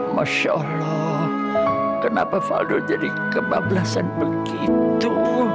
masya allah kenapa faldo jadi kebablasan begitu